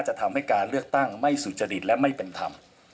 จะทำให้การเลือกตั้งไม่สุจริตและไม่เป็นธรรม